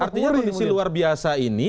artinya kondisi luar biasa ini